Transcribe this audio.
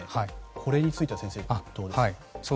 これについては先生、どうですか。